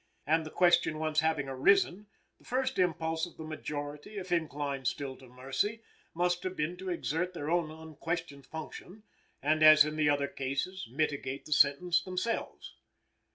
And, the question once having arisen, the first impulse of the majority, if inclined still to mercy, must have been to exert their own unquestioned function, and, as in the other cases, mitigate the sentence themselves.